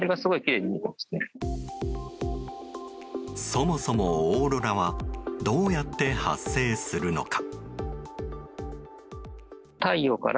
そもそもオーロラはどうやって発生するのか？